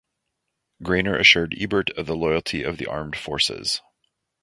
Groener assured Ebert of the loyalty of the armed forces.